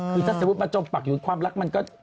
คือถ้าสมมุติมาจมปักอยู่ความรักมันก็